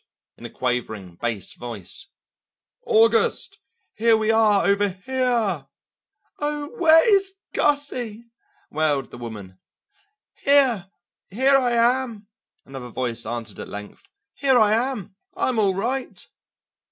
in a quavering bass voice. "August, here we are over here!" "Oh, where is Gussie?" wailed the woman. "Here, here I am," another voice answered at length; "here I am, I'm all right."